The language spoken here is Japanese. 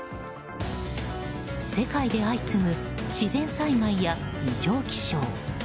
世界で相次ぐ自然災害や異常気象。